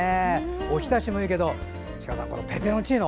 おひたしもいいけど千佳さん、ペペロンチーノ